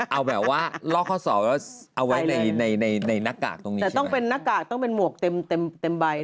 เอาแบบว่าลอกข้อสอบแล้วเอาไว้ในนักกากตรงนี้ใช่ไหมแต่ต้องเป็นนักกากต้องเป็นหมวกเต็มใบ